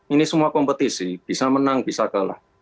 ini semua kompetisi bisa menang bisa kalah